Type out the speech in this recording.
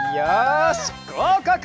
よしごうかく！